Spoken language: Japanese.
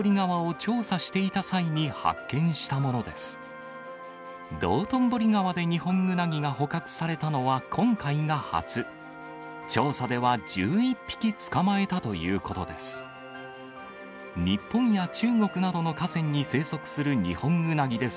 調査では１１匹捕まえたということです。